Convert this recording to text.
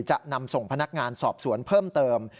จะนำส่งพนักงานสอบสวนเพิ่มเติม